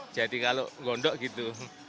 jadi kalau ngondok gitu